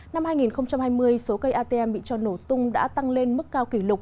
năm hai nghìn hai mươi số cây atm bị cho nổ tung đã tăng lên mức cao kỷ lục